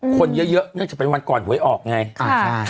คนเยอะเนื่องจากเป็นวันก่อนหวยออกไง